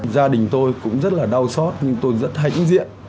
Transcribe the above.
gia đình tôi cũng rất là đau xót nhưng tôi rất hãnh diện